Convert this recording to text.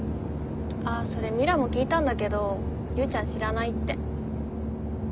あっそれミラも聞いたんだけど龍ちゃん知らないって。